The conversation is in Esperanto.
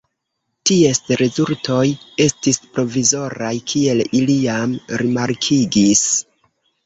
Ties rezultoj estis provizoraj, kiel ili jam rimarkigis.